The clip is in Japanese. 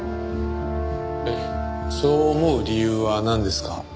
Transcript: そう思う理由はなんですか？